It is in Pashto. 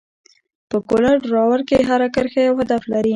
په کولر ډراو کې هره کرښه یو هدف لري.